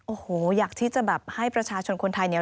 โอ้โหอยากที่จะแบบให้ประชาชนคนไทยเนี่ย